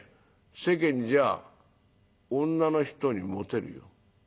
世間じゃ女の人にモテるよ。